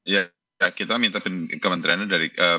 ya kita minta kementeriannya dari